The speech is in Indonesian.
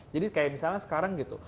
jadi kayak misalnya sekarang gitu